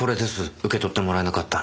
受け取ってもらえなかったの。